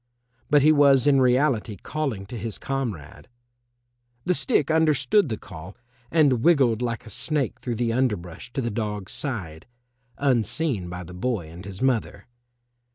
But he was in reality calling to his comrade. The stick understood the call and wiggled like a snake through the underbrush to the dog's side, unseen by the boy and his mother.